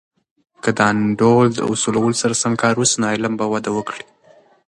که د انډول د اصولو سره سم کار وسي، نو علم به وده وکړي.